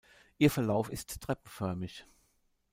Ihr Verlauf ist treppenförmig.